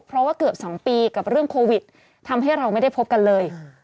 เพราะว่าเกือบ๒ปีกับเรื่องโควิดทำให้เราไม่ได้พบกันเลย